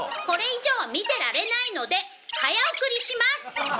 これ以上見てられないので早送りします「か」？